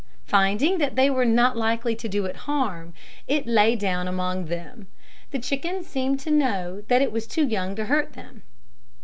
Finding that they were not likely to do it harm, it lay down among them. The chickens seemed to know that it was too young to hurt them.